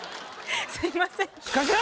すみません。